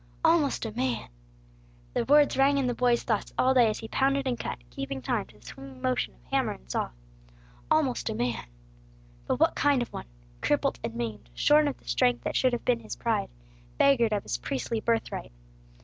Almost a man! The words rang in the boy's thoughts all day as he pounded and cut, keeping time to the swinging motion of hammer and saw. Almost a man! But what kind of one? Crippled and maimed, shorn of the strength that should have been his pride, beggared of his priestly birthright.